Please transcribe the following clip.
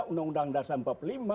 undang undang dasar empat puluh lima